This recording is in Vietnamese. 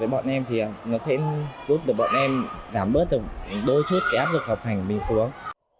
với bọn em thì nó sẽ giúp được bọn em giảm bớt được đôi chút cái áp lực học hành của mình xuống